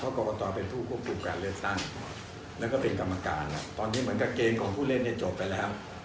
กรกตเป็นผู้ควบคุมการเลือกตั้งแล้วก็เป็นกรรมการตอนนี้เหมือนกับเกณฑ์ของผู้เล่นเนี่ยจบไปแล้ว